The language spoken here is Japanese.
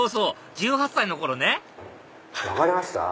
１８歳の頃ね分かりました？